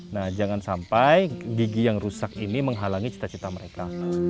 nah jangan sampai gigi yang rusak ini menghalangi cita cita mereka